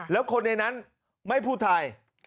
แล้วคนในนั้นไม่พูดไทย